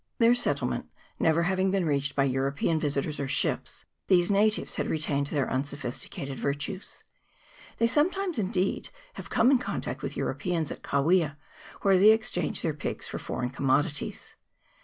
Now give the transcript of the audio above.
Their settlement never having been reached by European visitors or ships, these natives had retained their unsophisticated virtues. They sometimes, indeed, have come in contact with Euro peans at Kawia, where they exchange their pigs for foreign commodities.